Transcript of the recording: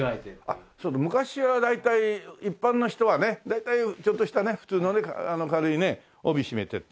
そうだ昔は大体一般の人はね大体ちょっとしたね普通のね軽いね帯締めてってなる